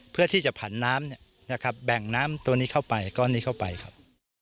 เพื่อที่จะผันน้ำเนี่ยนะครับแบ่งน้ำตัวนี้เข้าไปก้อนนี้เข้าไปครับ